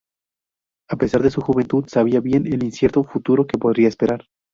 A pesar de su juventud, sabía bien el incierto futuro que podía esperar.